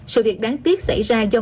sự việc đáng tiếc xảy ra do